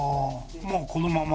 もうこのまま？